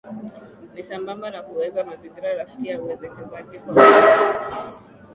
Ni sambamba na kuweka mazingira rafiki ya uwekezaji kwa vijana na wanawake